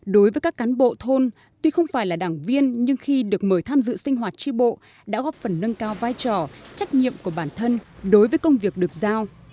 đối với các cán bộ thôn tuy không phải là đảng viên nhưng khi được mời tham dự sinh hoạt tri bộ đã góp phần nâng cao vai trò trách nhiệm của bản thân đối với công việc được giao